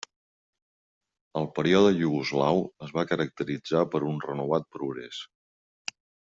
El període iugoslau es va caracteritzar per un renovat progrés.